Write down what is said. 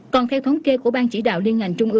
còn theo thống kê của ban chỉ đạo liên ngành trung ương